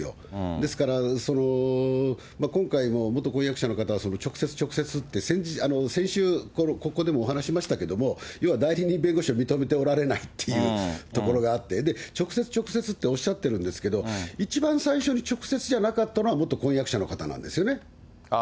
ですから、今回も、元婚約者の方は直接、直接って、先週、ここでもお話ししましたけれども、要は代理人弁護士を認めておられないっていうところがあって、直接、直接っておっしゃってるんですけど、一番最初に直接じゃなかったのは、元婚約者の方なんですよね。